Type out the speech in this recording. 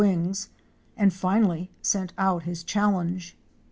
wings, and finally sent out his challenge.